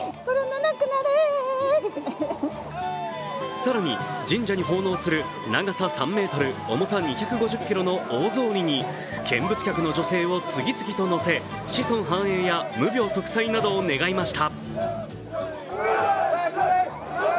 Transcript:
更に、神社に奉納する、長さ３ｍ、重さ２５０ｋｇの大草離に見物客の女性を次々と乗せ子孫繁栄や無病息災などを願いました。